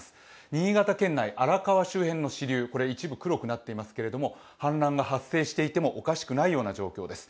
新潟県内荒川周辺の支流、一部黒くなっていますけれども、氾濫が発生していてもおかしくないような状況です。